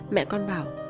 mẹ con bảo